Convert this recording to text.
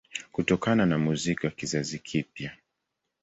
Kutokana na muziki wa kizazi kipya